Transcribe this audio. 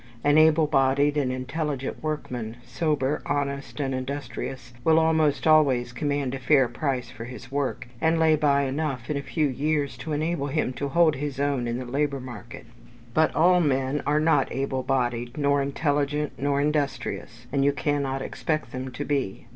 An able bodied and intelligent workman sober, honest, and industrious, will almost always command a fair price for his work, and lay by enough in a few years to enable him to hold his own in the labour market. But all men are not able bodied, nor intelligent, nor industrious; and you cannot expect them to be.